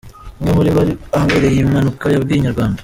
Umwe muri bari bari ahabereye iyi mpanuka, yabwiye Inyarwanda.